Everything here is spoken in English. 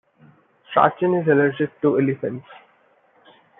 Strachan is allergic to elephants.